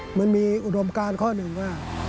มันมีอุดมการข้อหนึ่งว่า